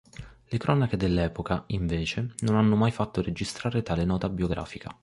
Le cronache dell'epoca, invece, non hanno mai fatto registrare tale nota biografica.